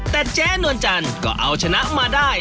แต่เจ๊นวลจันทร์ก็เอาชนะมาได้